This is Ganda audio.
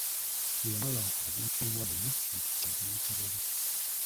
Bwe yamala okugenda ewa nnyina omutima ne gumuterera.